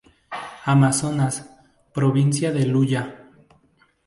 Amazonas: Provincia de Luya.